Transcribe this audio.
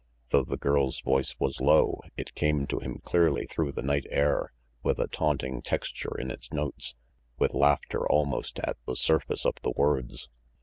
Though the girl's voice was low, it came to him clearly through the night air, with a taunting texture in its notes, with laughter almost at the surface of the words.